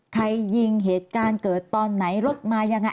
ใครยิงเหตุการณ์เกิดตอนไหนรถมายังไง